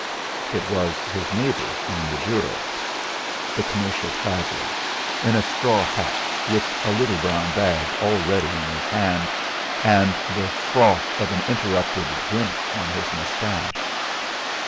It was his neighbour on the jury, the commercial traveller, in a straw hat, with a little brown bag already in his hand and the froth of an interrupted drink on his moustache.